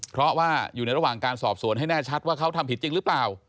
เพราะว่าอยู่ในระหว่างการสอบสวนให้แน่ชัดว่าเขาทำผิดจริงหรือเปล่า